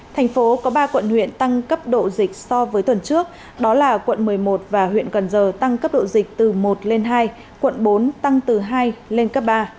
thành phố có ba quận huyện tăng cấp độ dịch so với tuần trước đó là quận một mươi một và huyện cần giờ tăng cấp độ dịch từ một lên hai quận bốn tăng từ hai lên cấp ba